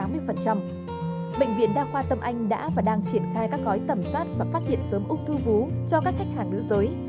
bệnh viện đa khoa tâm anh đã và đang triển khai các gói tẩm soát và phát hiện sớm ung thư vú cho các khách hàng nữ giới